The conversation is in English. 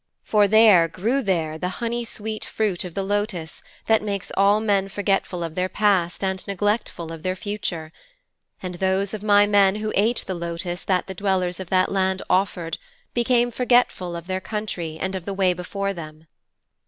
For there grew there the honey sweet fruit of the lotus that makes all men forgetful of their past and neglectful of their future. And those of my men who ate the lotus that the dwellers of that land offered them became forgetful of their country and of the way before them.